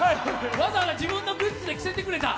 わざわざ自分のグッズで着せてくれた。